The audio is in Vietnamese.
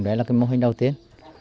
đây là mô hình đầu tiên